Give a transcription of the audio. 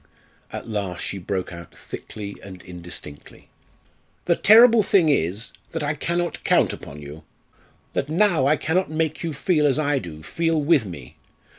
At last she broke out thickly and indistinctly: "The terrible thing is that I cannot count upon you that now I cannot make you feel as I do feel with me.